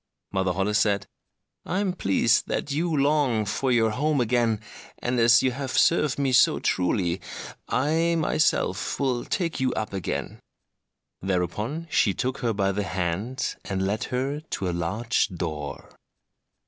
Mother Holle said, "I am pleased that you long for your home again, and as you have served me so truly, I myself will take you up again." Thereupon she took her by the hand, and led her to a large door.